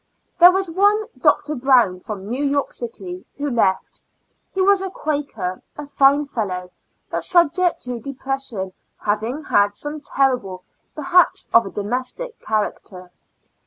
There was one Dr. Brown, from New York city, who left; he was a Quaker; a fine fellow, but subject to de pression, having had some trouble, perhaps, of a domestic character.